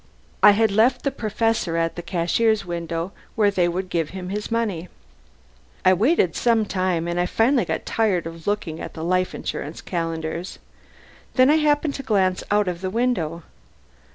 I had left the Professor at the cashier's window, where they would give him his money. I waited some time, and finally I got tired of looking at the Life Insurance calendars. Then I happened to glance out of the window.